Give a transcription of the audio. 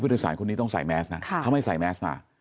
โดยสารคนนี้ต้องใส่แมสนะเขาไม่ใส่แมสมา